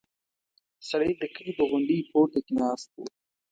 سړی د کلي په غونډۍ پورته کې ناست و.